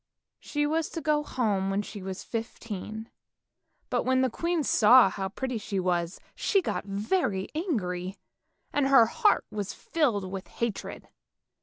She was to go home when she was fifteen, but when the queen saw how pretty she was, she got very angry, and her heart was filled with hatred.